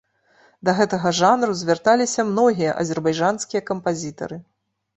Да гэтага жанру звярталіся многія азербайджанскія кампазітары.